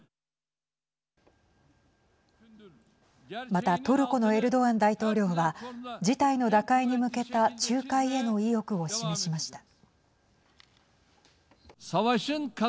またトルコのエルドアン大統領は事態の打開に向けた仲介への意欲を示しました。